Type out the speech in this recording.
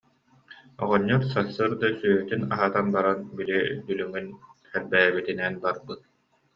Оҕонньор сарсыарда сүөһүтүн аһатан баран, били дүлүҥүн эрбээбитинэн барбыт